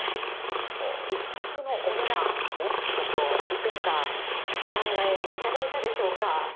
１泊のお値段、ちょっといくらかお考えいただいたでしょうか。